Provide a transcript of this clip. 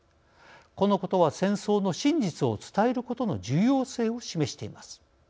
このことは戦争の真実を伝えることの重要性を示しています。